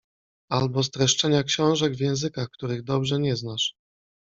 albo streszczenia książek w językach, których dobrze nie znasz.